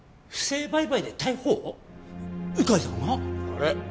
あれ？